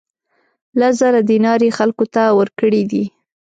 لس زره دینار یې خلکو ته ورکړي دي.